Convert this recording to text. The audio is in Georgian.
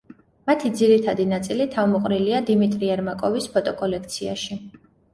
მათი ძირითადი ნაწილი თავმოყრილია დიმიტრი ერმაკოვის ფოტოკოლექციაში.